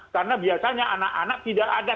karena biasanya anak anak tidak ada